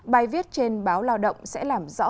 bài viết trên báo lao động sẽ làm rõ